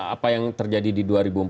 apa yang terjadi di dua ribu empat belas